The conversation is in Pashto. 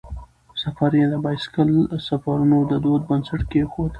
سفر یې د بایسکل سفرونو د دود بنسټ کیښود.